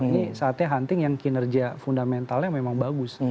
ini saatnya hunting yang kinerja fundamentalnya memang bagus